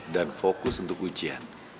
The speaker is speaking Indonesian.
dan fokus untuk ujian